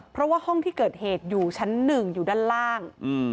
เพราะว่าห้องที่เกิดเหตุอยู่ชั้นหนึ่งอยู่ด้านล่าง